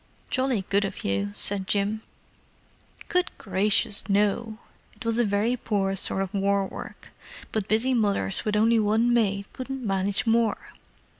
"Jolly good of you," said Jim. "Good gracious, no! It was a very poor sort of war work, but busy mothers with only one maid couldn't manage more.